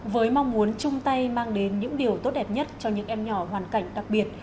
với mong muốn chung tay mang đến những điều tốt đẹp nhất cho những em nhỏ hoàn cảnh đặc biệt